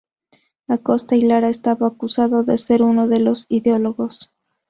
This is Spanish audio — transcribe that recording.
Acosta y Lara estaba acusado de ser uno de los ideólogos.